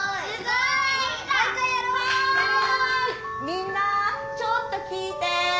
みんなちょっと聞いて。